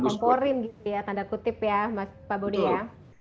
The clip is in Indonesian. nah itu dikomporin gitu ya tanda kutip ya pak budi ya